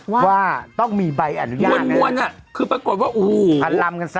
ว่าว่าต้องมีใบอนุญาตมวลมวลน่ะคือปรากฏว่าอู๋พันลำกันซะ